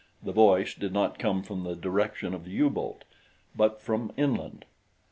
The voice did not come from the direction of the U boat; but from inland.